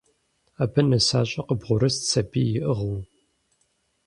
Абы нысащӏэ къыбгъурыст сабий иӏыгъыу.